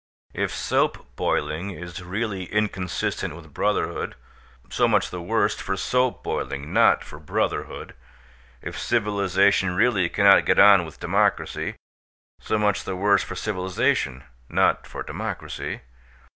If soap boiling is really inconsistent with brotherhood, so much the worst for soap boiling, not for brotherhood. If civilization really cannot get on with democracy, so much the worse for civilization, not for democracy.